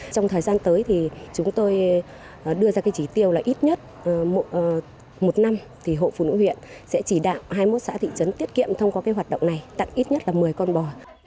trong thời gian tới thì chúng tôi đưa ra cái chỉ tiêu là ít nhất một năm thì hội phụ nữ huyện sẽ chỉ đạo hai mươi một xã thị trấn tiết kiệm thông qua cái hoạt động này tặng ít nhất là một mươi con bò